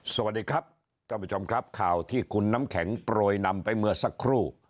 สวัสดีครับท่านผู้ชมครับข่าวที่คุณน้ำแข็งโปรยนำไปเมื่อสักครู่